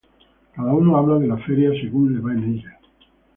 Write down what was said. Cada uno habla de la feria segun le va en ella.